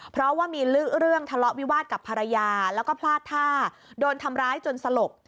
เพราะว่ามีเรื่องทะเลาะวิวาสกับภรรยาแล้วก็พลาดท่าโดนทำร้ายจนสลบ